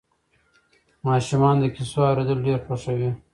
ماشومان د کیسو اورېدل ډېر خوښوي.